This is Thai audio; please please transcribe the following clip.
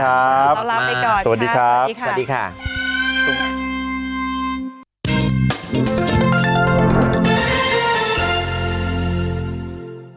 เอาลาไปก่อนสวัสดีครับสวัสดีค่ะสวัสดีค่ะ